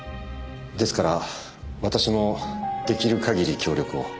ですから私も出来る限り協力を。